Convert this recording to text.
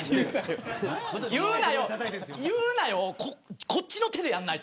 言うなよをこっちの手でやらない。